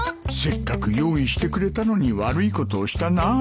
せっかく用意してくれたのに悪いことをしたな